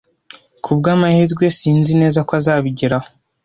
Kubwamahirwe, sinzi neza ko azabigeraho.